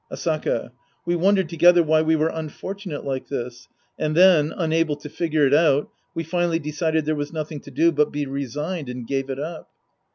Asaka. We wondered together why we were unfortunate like this. And then, unable to figure it out, we finally decided there was nothing to do but be resigned and gave it up.